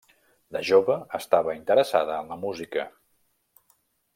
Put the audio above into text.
De jove, estava interessada en la música.